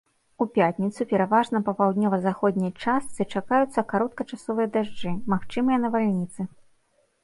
У пятніцу пераважна па паўднёва-заходняй частцы чакаюцца кароткачасовыя дажджы, магчымыя навальніцы.